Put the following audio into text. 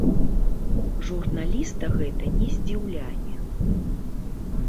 Журналіста гэта не здзіўляе.